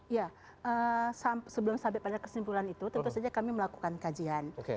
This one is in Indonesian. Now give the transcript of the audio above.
ya sebelum sampai pada kesimpulan itu tentu saja kami melakukan kajian